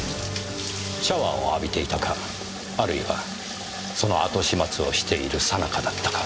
シャワーを浴びていたかあるいはその後始末をしているさなかだったか。